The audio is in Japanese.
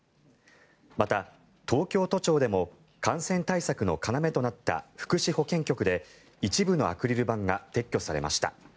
また、東京都庁でも感染対策の要となった福祉保健局で一部のアクリル板が撤去されました。